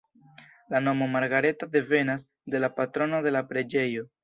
La nomo Margareta devenas de la patrono de la preĝejo.